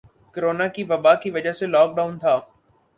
corona کی وبا کی وجہ سے لاک ڈاؤن تھا